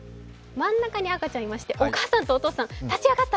真ん中に赤ちゃんいまして、お父さんとお母さん、立ち上がった！